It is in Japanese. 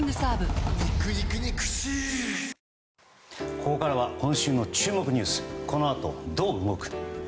ここからは今週の注目ニュースこの後どう動く？